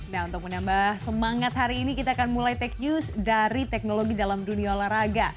nah untuk menambah semangat hari ini kita akan mulai take news dari teknologi dalam dunia olahraga